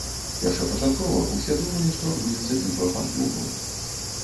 Першапачаткова ўсе думалі, што адбудзецца бітва фан-клубаў.